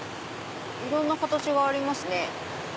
いろんな形がありますね。